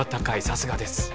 さすがです